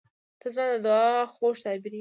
• ته زما د دعا خوږ تعبیر یې.